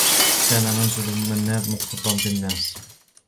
كان منزل منّاد مكتضّا بالنّاس.